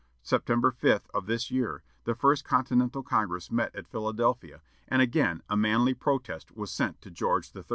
September 5 of this year, the First Continental Congress met at Philadelphia, and again a manly protest was sent to George III.